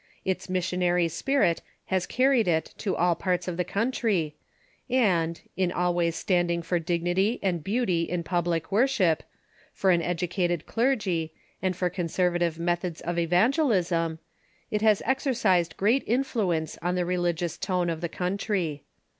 Its missionary spirit has carried it to all parts of the country, and, in always standing for dignity and beauty in public worship, for an educated clergy, and for conservative methods of evan gelism, it has exercised great influence on the religious tone of the country.